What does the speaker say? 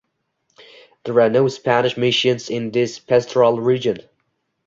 There are no Spanish Missions in this Pastoral Region.